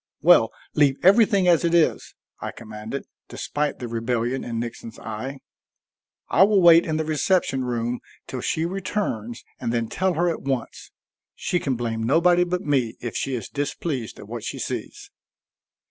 "Well, leave everything as it is," I commanded, despite the rebellion in Nixon's eye. "I will wait in the reception room till she returns and then tell her at once. She can blame nobody but me, if she is displeased at what she sees."